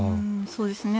そうですね。